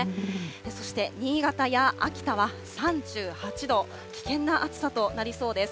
そして、新潟や秋田は３８度、危険な暑さとなりそうです。